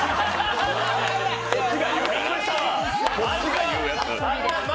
こっちが言うやつ。